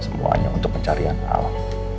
semuanya untuk pencarian alam